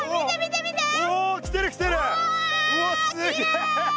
うわっすげえ！